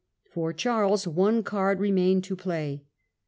For Charles one card remained to play.